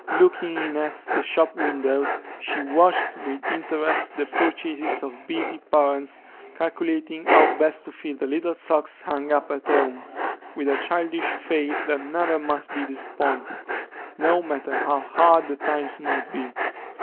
Looking in at the shop windows, she watched, with interest, the purchases of busy parents, calculating how best to fill the little socks hung up at home, with a childish faith that never must be disappointed, no matter how hard the times might be.